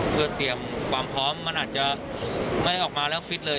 เพื่อเตรียมความพร้อมมันอาจจะไม่ได้ออกมาแล้วฟิตเลย